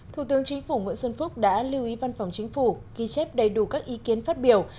thủ tướng chính phủ nguyễn xuân phúc đã lưu ý văn phòng chính phủ ghi chép đầy đủ các ý kiến phát biểu